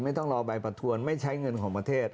ต้องรอใบประทวนไม่ใช้เงินของประเทศ